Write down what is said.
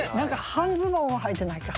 半ズボンははいてないか。